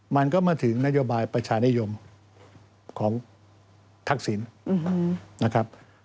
มันก็มาถึงนโยบายประชานิยมของทักษิณนะครับ